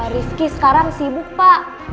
rifki sekarang sibuk pak